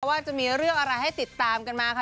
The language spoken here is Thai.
ว่าจะมีเรื่องอะไรให้ติดตามกันมาค่ะ